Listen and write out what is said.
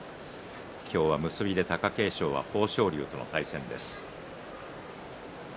今日は結びで貴景勝は豊昇龍との対戦です。